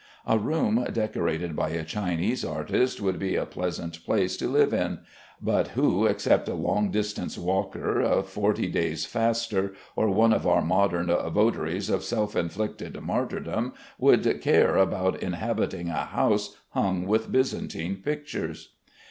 A room decorated by a Chinese artist would be a pleasant place to live in; but who except a long distance walker, a forty days' faster, or one of our modern votaries of self inflicted martyrdom, would care about inhabiting a house hung with Byzantine pictures?